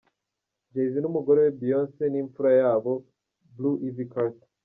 Jay-Z n’umugore we Beyonce n’imfura yabo Blue Ivy Carter.